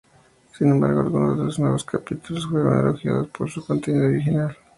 Sin embargo, algunos de los nuevos capítulos fueron elogiados por su contenido original.